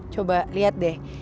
coba lihat deh